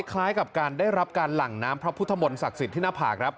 คล้ายกับการได้รับการหลั่งน้ำพระพุทธมนต์ศักดิ์สิทธิ์ที่หน้าผากครับ